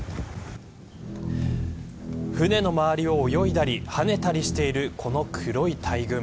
船の周りを泳いだり跳ねたりしているこの黒い大群。